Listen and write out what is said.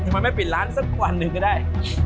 ไม่มาปิดร้านสักอันหนึ่งก็ได้